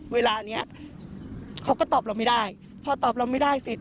เวลาเนี้ยเขาก็ตอบเราไม่ได้พอตอบเราไม่ได้เสร็จ